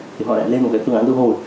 thì họ lại lên một cái dự án thu hồi